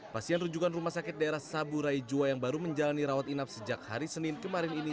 pasien rujukan rumah sakit daerah saburai jua yang baru menjalani rawat inap sejak hari senin kemarin ini